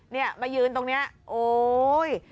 เนี่ยมายืนตรงนี้โอ๊ย